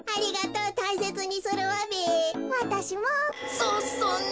そそんな。